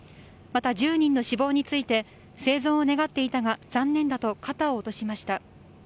また１０人の死亡について生存を願っていたが残念だと肩を落としました。